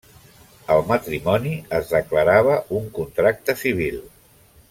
El matrimoni es declarava un contracte civil.